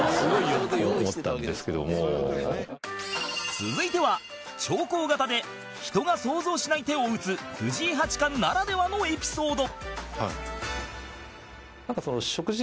続いては長考型で人が想像しない手を打つ藤井八冠ならではのエピソード